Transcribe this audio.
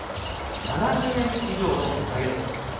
７０円以上の値上げです。